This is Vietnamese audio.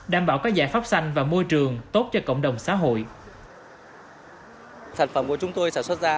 đảm bảo các giải pháp xanh và môi trường tốt cho cộng đồng xã hội